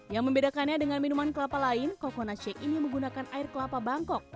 yang membedakannya dengan minuman kelapa lain coconut shake ini menggunakan air kelapa bangkok